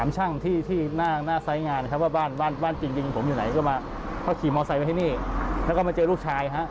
มอเซอร์ไว้ที่นี่แล้วก็มาเจอลูกชาย